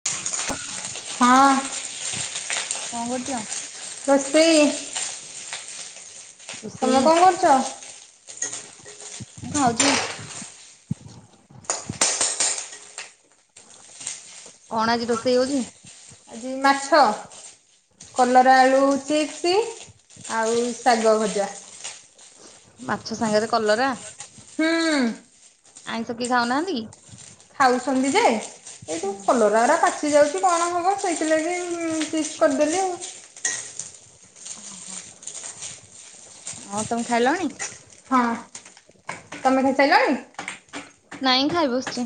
[inaudible] ହଁ କଅଁ କରୁଛ? ରୋଷେଇ। ରୋଷେଇ ତମେ କଣ କରୁଛ? ମୁଁ ଖାଉଚି। କଣ ଆଜି ରୋଷେଇ ହଉଛି। ଏଇ ମାଛ। କଲରା ଆଳୁ ଚିପ୍ସି ଆଉ ଶାଗ ଭଜା। ମାଛ ସାଙ୍ଗରେ କଲରା? ହୁଁ। ଆଇଁଷ କେହି ଖାଉନାହାନ୍ତି କି। ଖାଉଛନ୍ତି ଯେ ଏଇ ଯୋଉ କଲରା ଗୁରା ପାଚି ଯାଉଛି କଣ ହେବ ସେଇଥିଲାଗି ଚିପ୍ସ୍ କରିଦେଲି ଆଉ। ହଁ ତମେ ଖାଇଲଣି। ହଁ ତମେ ଖାଇସାରିଲଣି। ନାଇଁ ଖାଇ ବସିଛି।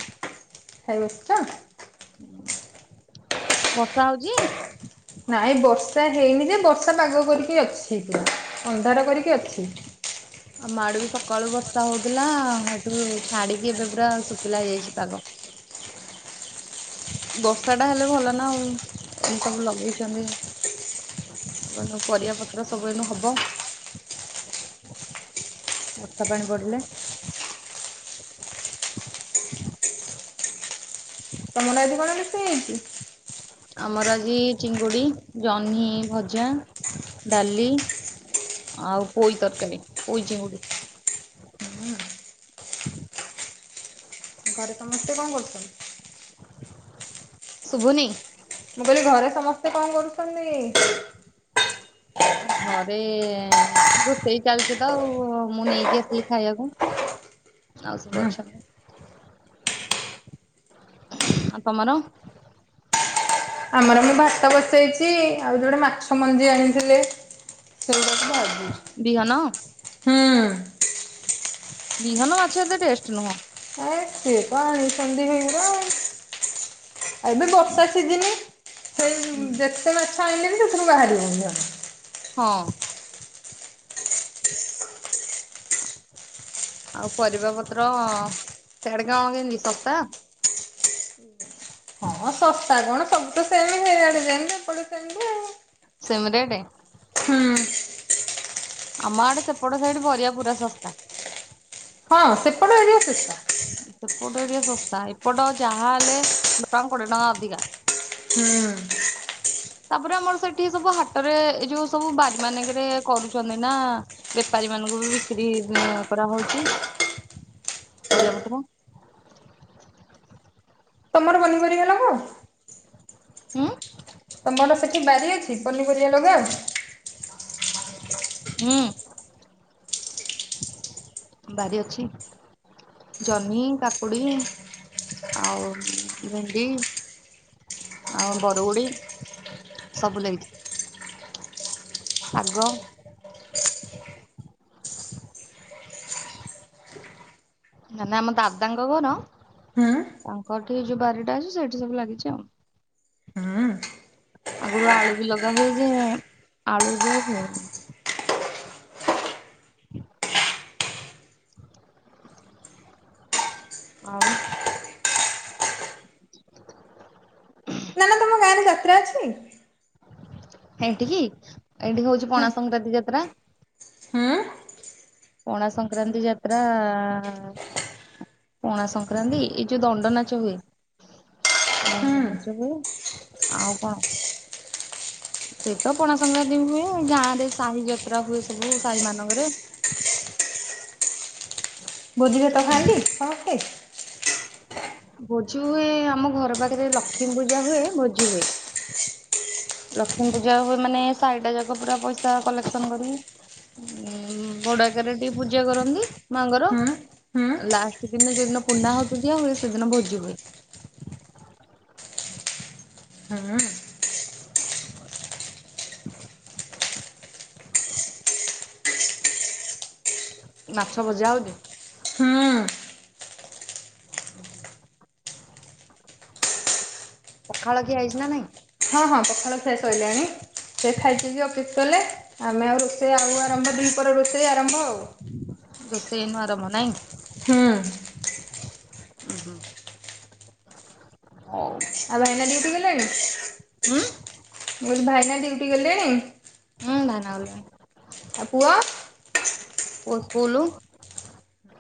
ଖାଇ ବସିଛ। ବର୍ଷା ହଉଛି। ନାଇଁ ବର୍ଷା ହେଇନି ଯେ ବର୍ଷା ପାଗ କରିକି ଅଛି କି ଅନ୍ଧାର କରିକି ଅଛି। ଆମ ଆଡୁ ବି ସକାଳୁ ବର୍ଷା ହଉଥିଲା ସେଠୁ ଛାଡିକି ଏବେ ପୁରା ଶୁଖିଲା ହେଇଯାଇଛି ପାଗ। ବର୍ଷା ଟା ହେଲେ ଭଲ ନା ଆଉ ଏମି ସବୁ ଲଗେଇଛନ୍ତି। ପରିବା ପତ୍ର ସବୁ ଏନୁ ହବ। ବର୍ଷା ପାଣି ପଡିଲେ। ତମର ଆଜି କଣ ରୋଷେଇ ହେଇଛି। ଆମର ଆଜି ଚିଙ୍ଗୁଡି ଜହ୍ନି ଭଜା ଡାଲି। ଆଉ ପୋଇ ତରକାରୀ ପୋଇ ଚିଙ୍ଗୁଡି। ଏତେ କଣ କରିଛ। ଶୁଭୁନି। ମୁଁ କହିଲି ଘରେ ସମସ୍ତେ କଣ କରୁଛନ୍ତି? ଘରେ ରୋଷେଇ ଚାଲିଛି ତ ଆଉ ମୁଁ ନେଇକି ଆସିଲି ଖାଇବାକୁ। ଆଉ ସବୁ ଆଉ ତମର। ଆମର ମୁଁ ଭାତ ବସେଇଛି ଆଉ ଯୋଉଟେ ମାଛ ମଞ୍ଜି ଆଣିଥିଲେ ସେଗୁଡା କୁ। ବିହନ। ହଁ। ବିହନ ମାଛ ଏତେ ଟେଷ୍ଟ ନୁହଁ। ଏ ସିଏ ତ ଆଣିଛନ୍ତି ହେଇରା ଏବେ ବର୍ଷା ସିଜିନି। ହୁଁ। ସେଇ ଯେତେ ମାଛ ଆଣିଲେନି ସେଥିରୁ ବାହାରିବନି। ହଁ ଆଉ ପରିବା ପତ୍ର ସେଆଡ କ କଣ କେମତି ଶସ୍ତା। ହଁ ଶସ୍ତା କଣ ସବୁ ତ ସେମ ହେଇଆଡେ ଯେମତି ଏପେ କେମତି ଆଉ। ସେମରେଟ୍। ହଁ ଆମ ଆଡେ ସେପଟ ସେଇଠି ବରିିବା ପୁରା ଶସ୍ତା। ହଁ ସେପଟେ ଏରିଆ ଶସ୍ତା। ସେପଟ ଟିକେ ଶସ୍ତା ଏପଟ ଯାହା ହେଲେ ଦୁ ଟଙ୍କା କୋଡିଏ ଟଙ୍କା ଅଧିକା। ହୁଁ ତାପରେ ଆମର ସେଠି ସବୁ ହାଟରେ ଏ ଯୋଉ ସବୁ ବାରି ମାନଙ୍କରେ କରୁଛନ୍ତି ନା। ବେପାରୀ ମାନଙ୍କୁ ବି ବିକ୍ରି କରାହଉଛି ପରିବା ପତ୍ର। ତମର ପନିପରୀବା ଲଗାଅ। ହୁଁ ତମର ସେଠି ବାରି ଅଛି ପନିପରିବା ଲଗାଅ। ହୁଁ ବାରି ଅଛି। ଜହ୍ନି କାକୁଡି ଆଉ ଭେଣ୍ଡି। ଆଉ ବାରୁଗୁଡ଼ି ସବୁ ଲାଗିଛି। ଶାଗ। [unintelligible] ମାନେ ଆମ ଦାଦାଙ୍କ ଘର ହୁଁ ତାଙ୍କଠି ଯୋଉ ବାରିଟା ଅଛି ସେଇଠି ସବୁ ଲାଗିଚି ଆଉ। ହୁଁ ଆଗୁରୁ ଆଳୁ ବି ଲଗା ହୁଏ ଯେ ଆଳୁ ବି ଆଉ ହୋଉନି। [inaudible] ଆଉ ନା ନା ତମ ଗାଁରେ ଯାତ୍ରା ଅଛି? ଏଠିକି ଏଠିକି ହୋଉଚି ପଣା ସଂକ୍ରାନ୍ତି ଯାତ୍ରା। ହୁଁ ପଣା ସଂକ୍ରାନ୍ତି ଯାତ୍ରା ପଣା ସଂକ୍ରାନ୍ତି ଏଇ ଯୋଉ ଦଣ୍ଡ ନାଚ ହୁଏ ଦଣ୍ଡ ହୁଁ। ନାଚ ହୁଏ ଆଉ କଣ ସେଇ ତ ପଣା ସଂକ୍ରାନ୍ତି ବି ହୁଏ ଗାଁରେ ସାହି ଯାତ୍ରା ହୁଏ ସବୁ ସାହି ମାନଙ୍କରେ। ଭାଜି ଭାତ ଖାଆନ୍ତି ସମସ୍ତେ? ଭୋଜି ହୁଏ ଏ ଆମ ଘର ପାଖରେ ଲକ୍ଷ୍ମୀ ପୂଜା ହୁଏ ଭୋଜି ହୁଏ। ଲକ୍ଷ୍ମୀ ପୂଜା ହୁଏ ମାନେ ସାହିଟା ଯାକ ପୁରା ପଇସା କଲେକ୍ସନ କରିକି। ଉଁ ଭଡାକାରେ ଟିକେ ପୂଜା କରନ୍ତି ମାଆଙ୍କର। ହୁଁ ହୁଁ ଲାଷ୍ଟ ଦିନ ଯୋଉଦିନ ପୁର୍ନା ଆହୁତି ଦିଆହୁଏ ସେଦିନ ଭୋଜି ହୁଏ। ହଁଅ। [inaudible] ମାଛ ଭଜା ହୋଉଚି। ହଁ। ପଖାଳ ଖିଆ ହେଇଚି ନା ନାଇଁ? ହଁ ହଁ ପଖାଳ ଖିଆ ସଇଲାଣି। ସେ ଖାଇ ପିଇକି ଅଫିସ୍ କଲେ ଆମେ ଆଉ ରୋଷେଇ ଆଉ ଆରମ୍ଭ ଦିପହର ରୋଷେଇ ଆରମ୍ଭ ଆଉ। ରୋଷେଇ ଏନୁ ଆରମ୍ଭ ନାହିଁ। ହୁଁ। ଉଁ ହୁଁ। ହଉ। ଆଉ ଭାଇନା ଡ୍ୟୁଟି ଗଲେଣି? ହୁଁ ମୁଁ କହିଲି ଭାଇନା ଡ୍ୟୁଟି ଗଲେଣି? ଉଁ ଭାଇନା ଗଲେଣି। ଆଉ ପୁଅ? ପୁଅ ସ୍କୁଲୁ।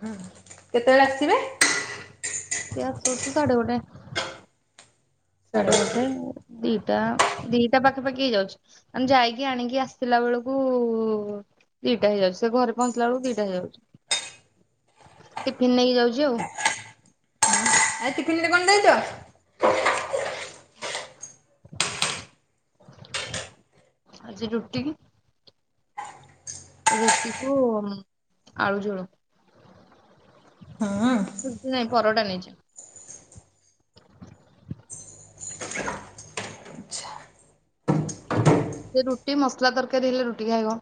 ହୁଁ କେତେବେଳେ ଆସିବେ। ସିଏ ଆସୁ ଆସୁ ସାଢ଼େ ଗୋଟେ। ସାଢେ ଗୋଟେ ଦିଇଟା ଦିଇଟା ପାଖାପାଖି ହେଇ ଯାଉଚି। ଆମେ ଯାଇକି ଆଣିକି ଆସିଲା ବେଳକୁ ଉ ଦିଇଟା ହେଇଯାଉଚି ସେ ଘରେ ପହଞ୍ଚିଲା ବେଳକୁ ଦିଟା ହେଇଯାଉଚି ଟିଫିନ୍‌ ନେଇକି ଯାଉଚି ଆଉ। ଆଜି ଟିଫନରେ କଣ ଦେଇଚ? ଆଜି ରୁଟି କି ରୁଟିକୁୁ ଉଁ ଆଳୁ ଝୋଳ। ନାଇଁ ପରଟା ନେଇଚି। ସେ ରୁଟି ମସଲା ତରକାରୀ ହେଲେ ରୁଟି ଖାଇବ।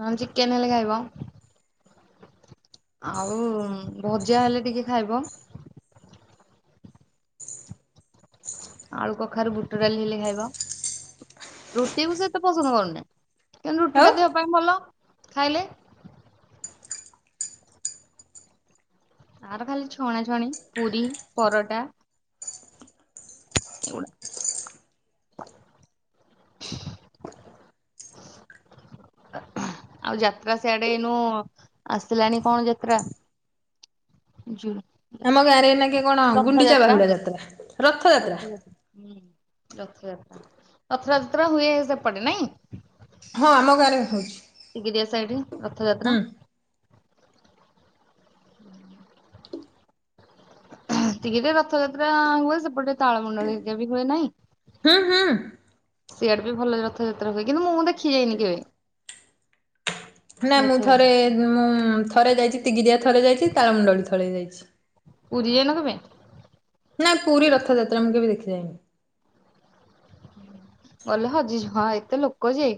ନହନ ଚିକେନ ହେଲେ ଖାଇବ। ଆଉ ଭଜା ହେଲେ ଟିକେ ଖାଇବ। ଆଳୁ କଖାରୁ ବୁଟ ଡାଲି ହେଲେ ଖାଇବ। ରୁଟିକୁ ସେ ଏତେ ପସନ୍ଦ କରୁନି କିନ୍ତୁ ଆଉ ରୁଟିଟା ଦେହ ପାଇଁ ଭଲ ଖାଇଲେ ତାର ଖାଲି ଛଣା ଛଣି ପୁରୀ, ପରଟା ଏଇଗୁଡ଼ା। [inaudible] ଆଉ ଯାତ୍ରା ସିଆଡେ ଏନୁ ଆସିଲାନି କଣ ଯାତ୍ରା? ଜୁ ଆମ ଗାଁରେ ଏନାକେ କଣ ଗୁଣ୍ଡିଚା ରଥଯାତ୍ରା ବାହୁଡା ଯାତ୍ରା ରଥଯାତ୍ରା। ହୁଁ ରଥଯାତ୍ରା। ରଥଯାତ୍ରା ହୁଏ ସେପଟେ ନାଇଁ? ହଁ ଆମ ଗାଁରେ ହୋଉଚି। [unintelligible] ସାଇଟି ରଥଯାତ୍ରା। ଟିକେ ଟେ ରଥଯାତ୍ରା ହୁଏ ସେପଟେ ତାଳମୁଣ୍ଡଳି ହେକା ବି ହୁଏ ନାହିଁ। ହୁଁ-ହୁଁ। ସିଆଡେ ବି ଭଲ ରଥଯାତ୍ରା ହୁଏ, କିନ୍ତ ମୁଁ ଦେଖି ଯାଇନି କେବେ। ନା ମୁଁ ଥରେ ରଥଯାତ୍ରା ମୁଁ ଥରେ ଯାଇଚି ତିଗିଦିଆ ଥରେ ଯାଇଚି ତାରମଣ୍ଡଳୀ ଥରେ ଯାଇଚି। ପୁରୀ ଯାଇ ନ କେବେ? ନାଁ ପୁରୀ ରଥଯାତ୍ରା ମୁଁ କେବେ ଦେଖିଯାଇନି। ଗଲେ ହଜି ଯି ହଁ ଏତେ ଲୋକ ଯେ।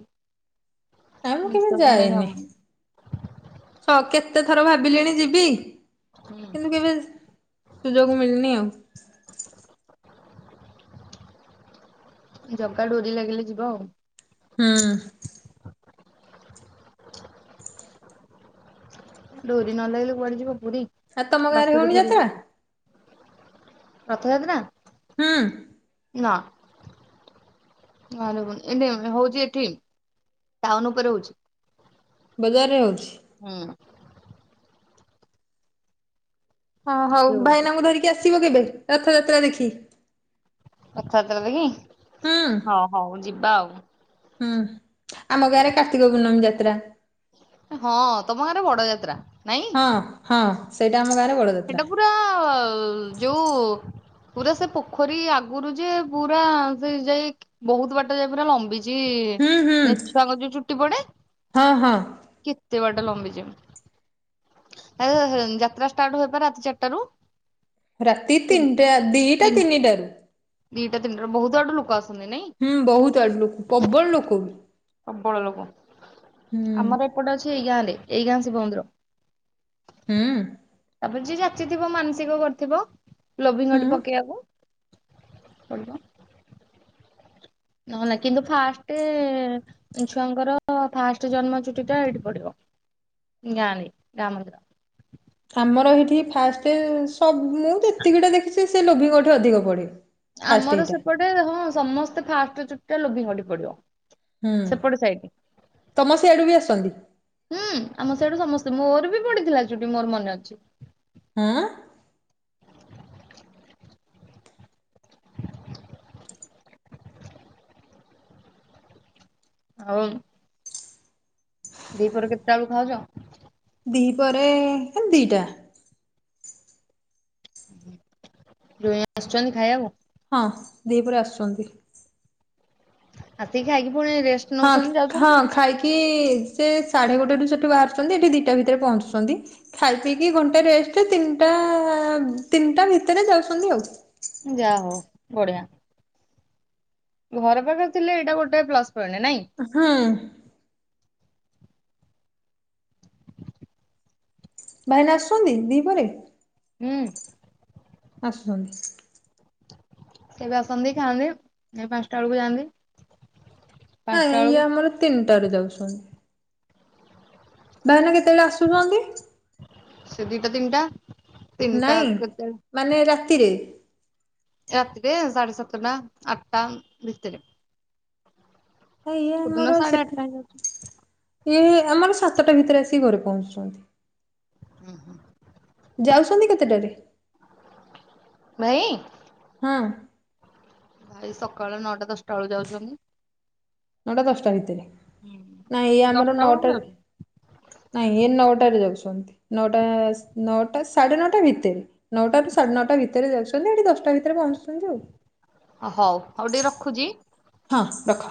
ନା ମୁଁ କେବେ ନିଶ୍ୱାସ ନେଇ ଯାଇନି। ହବନି ସ କେତେ ଥର ଭାବିଲିଣି ଯିବି କିନ୍ତୁ କେବେ ସୁଯୋଗ ମିଳିନି ଆଉ। ଜଗା ଡୋରି ଲାଗିଲେ ଯିବା ଆଉ। ହୁଁ। [inaudible] ଡୋରି ନ ଲାଗିଲେ କୁଆଡେ ଯିବ ପୁରୀ। ଆଉ ତମ ଗାଁରେ ହଉନି ବାଟରୁୁ ଫେରିି ଯାତ୍ରା? ଆସିବ। ରଥଯାତ୍ରା? ହୁଁ। ନାଁ। ହଉଛି ଏଠି ଟାଉନ୍‌ ଉପରେ ହଉଚି। ବଜାରରେ ହଉଚି। ହୁଁ। ହଁ ଏଠି ହଉ ହଉଛି ଭାଇନାଙ୍କୁ ଧରିକି ଆସିବ କେବେ ରଥଯାତ୍ରା ଦେଖି। ରଥଯାତ୍ରା ଦେଖି ହୁଁ ହଁ ହଉ ଯିବା ଆଉ। ହୁଁ ଆମ ଗାଁରେ କାର୍ତ୍ତିକ ପୂର୍ଣ୍ଣମୀ ଯାତ୍ରା। ହଁ ତମ ଗାଁରେ ବଡ ଯାତ୍ରା ନାଇଁ? ହ ହଁ ସେଇଟା ଆମ ଗାଁରେ ବଡ଼ ସେଟା ପୁରା ଯୋଉ ପୁରା ସେ ପୋଖରୀ ଆଗରୁ ଯେ ପୁରା ସେ ଯାଇକ୍ ବହୁତ ବାଟ ଯାଇ ପୁରା ଲମ୍ବି ଚି ହୁଁ ହୁଁ ଛୁଆଙ୍କ ଯୋଉ ଚୁଟି ପଡେ ହଁ ହଁ। କେତେ ବାଟ ଲମ୍ବିଚି [unintelligible] ଯାତ୍ରା ଷ୍ଟାର୍ଟ ହୁଏ ପା ରାତି ଚାରିଟା ରୁ? ରାତି ତିନିଟା ଦିଟା ତିନିଟାରୁ। ଦିଟା ତିିନିଟା ରୁ ବହୁତ ଆଡୁ ଲୋକ ଆସ୍ ହୁଁ ବହୁତ ଆଡୁ ଲୋକ ପବଳ ଲୋକ ବି ପ୍ରବଳ ଲୋକ। ହୁଁ ଆମର ଏପଟେ ଅଛି ଏଇ ଗାଁ ରେ ଏଇ ଗାଁ ଶିବ ମନ୍ଦିର। ହୁଁ। ତାପରେ ଯିଏ ଯାଚିଥିବ ମାନସିକ କରିଥିବ ଲୋଭିଙ୍ଗ ହୁଁ। ପକେଇବାକୁ। କଲ ନହେଲେ କିନ୍ତୁ ଫାଷ୍ଟ ଛୁଆଙ୍କର ଫାଷ୍ଟ ଜନ୍ମ ଚୁଟି ଟା ଏଠି ପଡିବ ଗାଁ ରେ ଗାଁ ମନ୍ଦିର ଆମର ଏଇଠି ଫାଷ୍ଟ ସବୁ ମୁଁ ଯେତିକିଟା ଦେଖିଛି ସେ ଲୋଭିଙ୍କଠି ଅଧିକ ପଡ଼େ। ଆମର ସେପଟେ ହଁ ସମସ୍ତେ ଫାଷ୍ଟ ଚୁଟିା ଲୋଭି ଘଡି ପଡିବ। ହୁଁ ସେପୋଟ ସାଇଡ ତମ ସିଆଡୁ ବି ଆସନ୍ତି ହୁଁ ଆମ ସେଇଠୁ ସମସ୍ତେ ମୋର ବି ପଡିଥିଲା ଚୁଟି ମୋର ମନେ ଅଛି। ହଁ ଆଉ ଦିପର କେତେଟା ବେଳକୁ ଖାଉଛ? ଦି ପରେ ଏ ଦିଟା ଜ ଆସୁଛନ୍ତି ଖାଇବାକୁ ହଁ ଦିପହରେ ଆସୁଛନ୍ତି। ଆତି ଖାଇକି ପୁଣିରେଷ୍ଟ- ହଁ ହଁ ଖାଇକି ସେ ସାଢେ ଗୋଟେ ରୁ ସେଠୁ ବାହାରୁଛନ୍ତି ଏଠି ଦିଟା ଭିତରେ ପହଞ୍ଚୁଛନ୍ତି। ଖାଇ ପିଇକି ଘଣ୍ଟା ରେଷ୍ଟ ତିନିଟା ତିନିଟା ଭିତରେ ଯାଉଛନ୍ତି ଆଉ। ଯା ହଉ ବଢିଆ। ଘର ପାଖରେ ଥିଲେ ଏଇଟା ଗୋଟେ ପ୍ଲସ ପଏଣ୍ଟ ନାଇଁ। ହଁ ଭାଇନା ଆସୁଛନ୍ତି ଦି ପହରେ? ହୁଁ ଆସୁଛନ୍ତି କେବେ ଆସନ୍ତି ଖାଆନ୍ତି ଏ ପାଞ୍ଚଟା ବେଳକୁ ଯାଆନ୍ତି। ଇଁ ପାଞ୍ଚଟା ବେଳକୁ ଇଏ ଆମର ତିନିଟାରେ ଯାଉଛନ୍ତି। ଭଇନା କେତେବେଳେ ଆସୁଛନ୍ତି? ସେ ଦିଟା ତିନିଟା। ତିନିଟା ନାଇଁ କେତେ ମାନେ ରାତିରେ। ରାତିରେ ସାଢେ ସାତଟା ଆଠଟା ଭିତରେ। ଆ ଇଏ କୋଉଦିନ ଆମର ସାଢେ ସେଠି ଆଠଟା ଇଏ ଆମର ସାତଟା ଭିତରେ ଆସିକି ଘରେ ପହଞ୍ଚୁଛନ୍ତି। ହୁଁ ହୁଁ ଯାଉଛନ୍ତି କେତେଟାରେ? ଭାଇ ହଁ ଭାଇ ସକାଳ ନଅଟା ଦଶଟା ବେଳକୁ ଯାଉଛନ୍ତି। ନାହିଁ କଷ୍ଟ ଆଇତରେ ନାଇଁ ଏଇ ଆମର ଦଶଟା ବେଳକୁ ନୋଟ ଯାଉଛନ୍ତି। ନାଇଁ ଇ ନଅଟାରେ ଯାଉଛନ୍ତି। ନଅଟା ନଅଟା ସାଢେ ନଅଟା ଭିତରେ। ନଅଟାରୁ ସାଢ଼େ ନଅଟା ଭିତରେ ଯାଉଛନ୍ତି ଏଇଠି ଦଶଟା ଭିତରେ ପହଞ୍ଚୁଛନ୍ତି ଆଉ। ହଉ ହଉ ଟିକେ ରଖୁଛି। ହଁ ରଖ